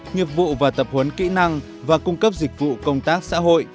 nghiệp vụ và tập huấn kỹ năng và cung cấp dịch vụ công tác xã hội